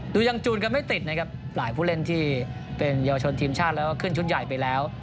ยังจูนกันไม่ติดนะครับหลายผู้เล่นที่เป็นเยาวชนทีมชาติแล้วก็ขึ้นชุดใหญ่ไปแล้ว